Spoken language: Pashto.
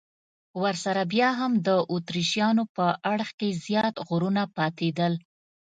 ورسره بیا هم د اتریشیانو په اړخ کې زیات غرونه پاتېدل.